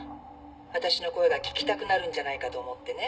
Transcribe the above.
わたしの声が聞きたくなるんじゃないかと思ってね」